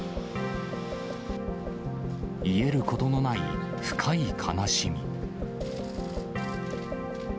癒えることのない深い悲しみ。